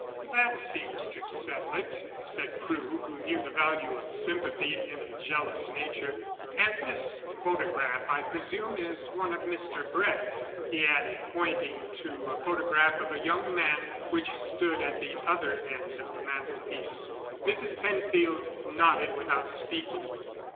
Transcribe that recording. "That seems to settle it," said Crewe, who knew the value of sympathy in a jealous nature. "And this photograph, I presume, is one of Mr. Brett," he added, pointing to a photograph of a young man which stood at the other end of the mantelpiece. Mrs. Penfield nodded without speaking.